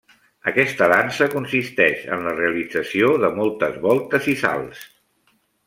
Aquesta dansa consisteix en la realització de moltes voltes i salts.